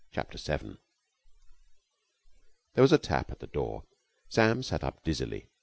CHAPTER SEVEN There was a tap at the door. Sam sat up dizzily.